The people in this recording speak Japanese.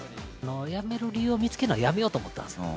やめる理由を見つけるのはやめようと思ったんですよ。